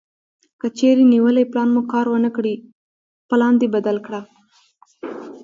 کچېرې نیولی پلان مو کار ونه کړ پلان دې بدل کړه.